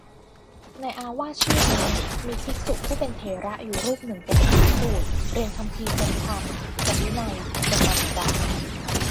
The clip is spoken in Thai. ในอาวาสชื่อโน้น มีภิกษุผู้เป็นเถระอยู่รูปหนึ่งเป็นพหูสูตร เรียนคำภีร์ ทรงธรรม ทรงวินัย ทรงมาติกา